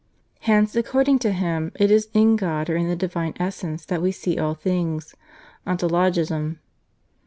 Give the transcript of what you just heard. Hence, according to him, it is in God or in the divine essence that we see all things (Ontologism).